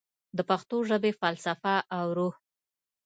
د پښتو ژبې فلسفه او روح